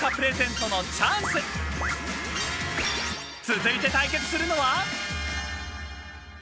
［続いて対決するのは］